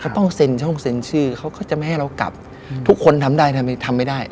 เขาต้องเซ็นช่องเซ็นชื่อเขาก็จะไม่ให้เรากลับทุกคนทำได้ทำไม่ได้